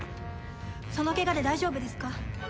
そのケガで大丈夫ですか？